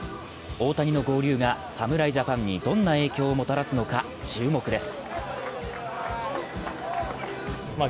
大谷の合流が侍ジャパンにどんな影響をもたらすのか注目です。